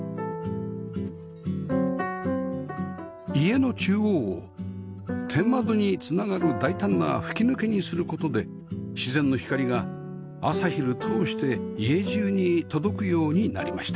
家の中央を天窓に繋がる大胆な吹き抜けにする事で自然の光が朝昼通して家中に届くようになりました